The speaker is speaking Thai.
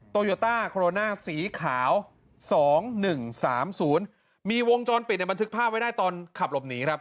โยต้าโคโรนาสีขาว๒๑๓๐มีวงจรปิดในบันทึกภาพไว้ได้ตอนขับหลบหนีครับ